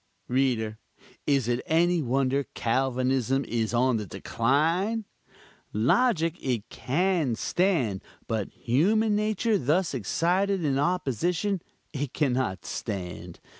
Reader, is it any wonder Calvinism is on the decline? Logic it can stand; but human nature thus excited in opposition, it can not stand.